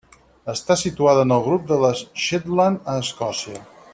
Està situada en el grup de les Shetland, a Escòcia.